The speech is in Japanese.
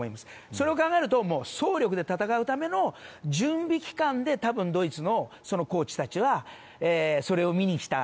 それを考えると総力で戦うための準備期間で多分ドイツのコーチたちはそれを見に来た。